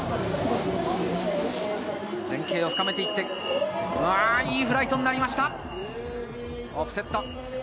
前傾を深めて、いいフライトになりました。